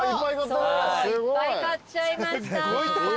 そういっぱい買っちゃいました。